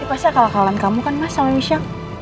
ini pasti kalah kalahan kamu kan mas sama michelle